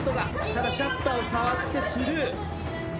ただシャッターを触ってスルー。